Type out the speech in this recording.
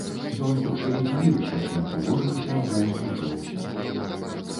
Ён хутчэй дзівіўся, чым трывожыўся, або ўзбуджваўся.